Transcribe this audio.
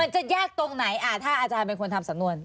จะยากตรงไหนถ้าอาจารย์เป็นคนทำสำนวน